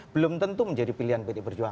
belum tentu menjadi pilihan pdi perjuangan